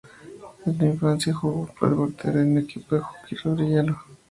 En su infancia, jugó de portero en un equipo de hockey sobre hielo.